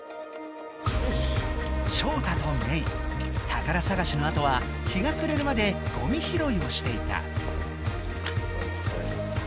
ショウタとメイ宝さがしのあとは日がくれるまでゴミひろいをしていた。